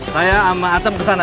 saya sama atem kesana